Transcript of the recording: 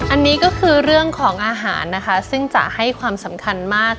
อันนี้ก็คือเรื่องของอาหารนะคะซึ่งจะให้ความสำคัญมาก